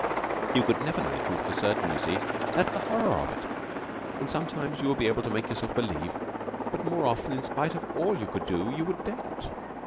You could never know the truth for certain, you see that's the horror of it; and sometimes you would be able to make yourself believe, but more often, in spite of all you could do, you would doubt.